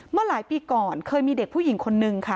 เมื่อหลายปีก่อนเคยมีเด็กผู้หญิงคนนึงค่ะ